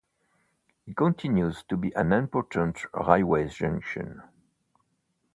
It continues to be an important railway junction.